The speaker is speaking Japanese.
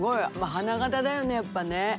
花形だよねやっぱね。